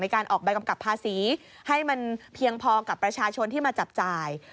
การออกใบกำกับภาษีให้มันเพียงพอกับประชาชนที่มาจับจ่าย